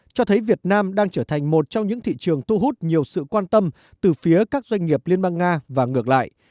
cho thấy việt nam đang trở thành một trong những thị trường thu hút nhiều sự quan tâm từ phía các doanh nghiệp liên bang nga và ngược lại